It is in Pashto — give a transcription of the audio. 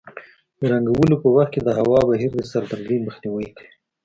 د رنګولو په وخت کې د هوا بهیر د سردردۍ مخنیوی کوي.